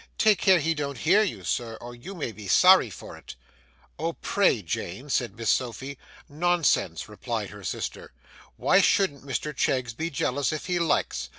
'Take care he don't hear you, sir, or you may be sorry for it.' 'Oh, pray, Jane ' said Miss Sophy. 'Nonsense!' replied her sister. 'Why shouldn't Mr Cheggs be jealous if he likes?